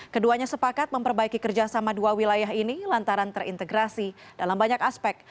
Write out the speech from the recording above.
keduanya sepakat memperbaiki kerjasama dua wilayah ini lantaran terintegrasi dalam banyak aspek